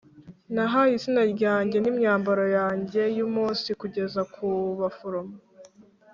nahaye izina ryanjye n'imyambaro yanjye y'umunsi kugeza ku baforomo